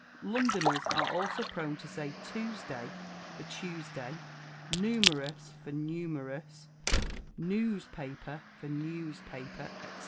Londoners are also prone to say Toosday for Tuesday; noomerous for numerous; noospaper for newspaper, &c.